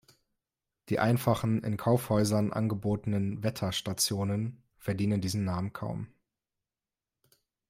Die einfachen in Kaufhäusern angebotenen „Wetterstationen“ verdienen diesen Namen kaum.